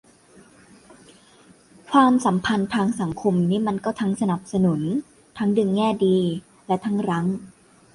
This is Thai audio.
ความสัมพันธ์ทางสังคมนี่มันก็ทั้งสนับสนุน ทั้งดึง แง่ดี และทั้งรั้ง